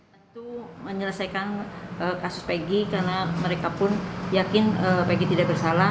tentu menyelesaikan kasus pg karena mereka pun yakin pegg tidak bersalah